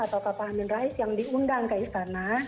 atau pak hamin rais yang diundang ke istana